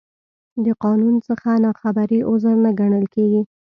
د قانون څخه نا خبري، عذر نه ګڼل کېږي.